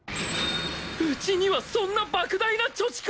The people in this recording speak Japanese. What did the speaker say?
うちにはそんな莫大な貯蓄が！？